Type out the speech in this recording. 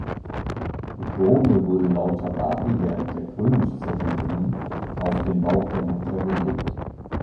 Die Krone wurde laut Tabari während der Krönungszeremonie auf den Bauch der Mutter gelegt.